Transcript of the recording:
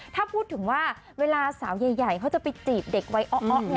ถ้าพูดถึงว่าเวลาสาวใหญ่เขาจะไปจีบเด็กไว้อ้อ